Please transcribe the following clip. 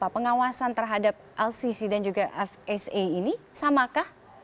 pengawasan terhadap lcc dan juga fsa ini samakah